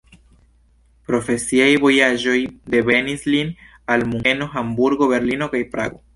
Profesiaj vojaĝoj venigis lin al Munkeno, Hamburgo, Berlino kaj Prago.